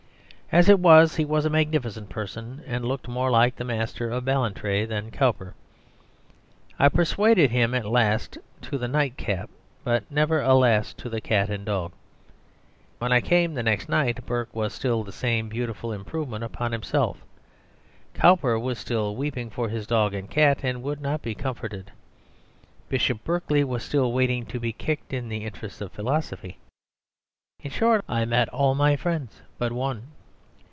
As it was, he was a magnificent person, and looked more like the Master of Ballantrae than Cowper. I persuaded him at last to the night cap, but never, alas, to the cat and dog. When I came the next night Burke was still the same beautiful improvement upon himself; Cowper was still weeping for his dog and cat and would not be comforted; Bishop Berkeley was still waiting to be kicked in the interests of philosophy. In short, I met all my old friends but one.